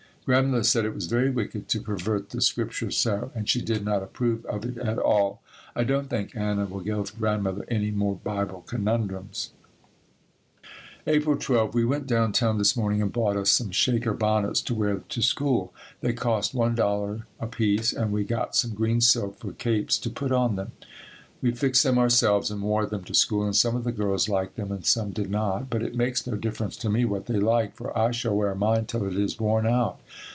Grandmother said it was very wicked to pervert the Scripture so, and she did not approve of it at all. I don't think Anna will give Grandmother any more Bible conundrums. April 12. We went down town this morning and bought us some shaker bonnets to wear to school. They cost $1 apiece and we got some green silk for capes to put on them. We fixed them ourselves and wore them to school and some of the girls liked them and some did not, but it makes no difference to me what they like, for I shall wear mine till it is worn out.